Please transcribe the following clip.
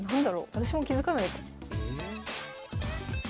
私も気付かないぞ。